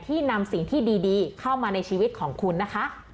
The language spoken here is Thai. นำสิ่งที่ดีเข้ามาในชีวิตของคุณนะคะ